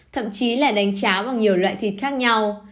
thậm chí là đánh trá bằng nhiều loại thịt khác nhau